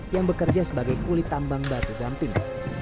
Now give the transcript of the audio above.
yang bekerja sebagai kulit tambang batu damping